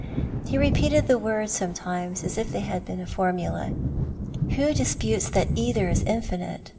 He repeated the words sometimes as if they had been a formula—" Who disputes that either is infinite